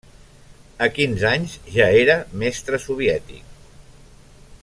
A quinze anys, ja era Mestre soviètic.